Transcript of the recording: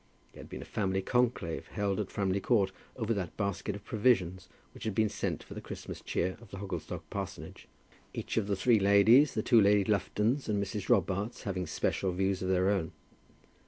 There had been a family conclave held at Framley Court over that basket of provisions which had been sent for the Christmas cheer of the Hogglestock parsonage, each of the three ladies, the two Lady Luftons and Mrs. Robarts, having special views of their own.